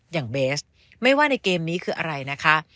อย่างเบสไม่ว่าในเกมนี้คืออะไรนะคะ